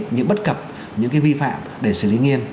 những bất cập những vi phạm để xử lý nghiêm